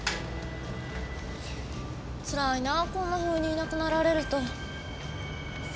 つらいなーこんなふうにいなくなられると。